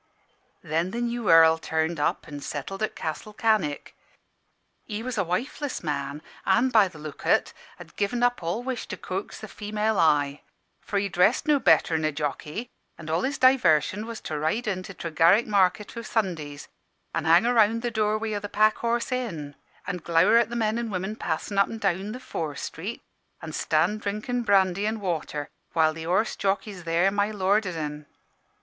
"Then the new Earl turned up an' settled at Castle Cannick. He was a wifeless man, an', by the look o't, had given up all wish to coax the female eye: for he dressed no better'n a jockey, an' all his diversion was to ride in to Tregarrick Market o' Saturdays, an' hang round the doorway o' the Pack Horse Inn, by A. Walters, and glower at the men an' women passin' up and down the Fore Street, an' stand drinkin' brandy an' water while the horse jockeys there my lord'ed 'en.